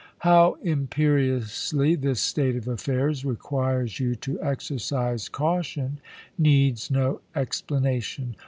"How imperiously this state of affairs requires you to exercise caution needs no explanation.